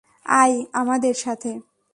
আয় আমাদের সাথে।